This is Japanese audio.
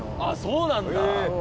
あっそうなんだ。